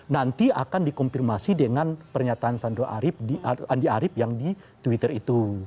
nanti akan dikonfirmasi dengan pernyataan andi arief yang di twitter itu